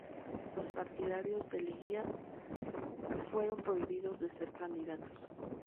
Los partidarios de Leguía fueron prohibidos de ser candidatos.